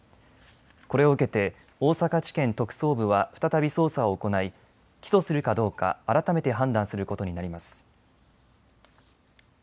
これを受けて大阪地検特捜部は再び捜査を行い起訴するかどうか改めて判断することになります。